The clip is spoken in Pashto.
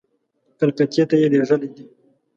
کلکتې ته یې لېږلي دي.